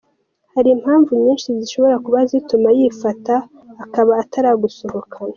Hari impamvu nyinshi zishobora kuba zituma yifata akaba ataragusohokana .